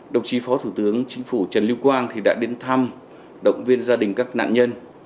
đồng chí phó thủ tướng chính phủ trần lưu quang đã đến thăm động viên gia đình các nạn nhân